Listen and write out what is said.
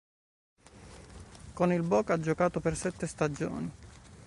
Con il Boca ha giocato per sette stagioni.